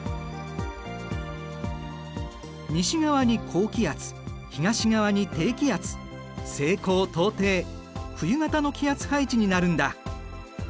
西側に高気圧東側に低気圧西高東低冬型の気圧配置になるんだ。